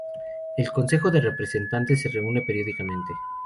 El Consejo de representantes se reúne periódicamente.